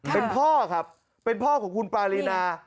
เป็นพ่อครับเป็นพ่อของคุณปารีนา